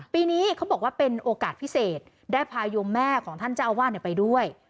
ปีนี้เขาบอกว่าเป็นโอกาสพิเศษได้พายมแม่ของท่านเจ้าอาวาสไปด้วย